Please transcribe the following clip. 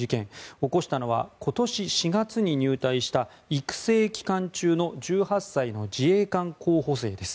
起こしたのは今年４月に入隊した育成期間中の１８歳の自衛官候補生です。